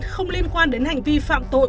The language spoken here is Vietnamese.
không liên quan đến hành vi phạm tội